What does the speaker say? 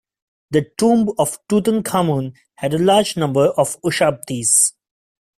The tomb of Tutankhamun had a large number of ushabtis.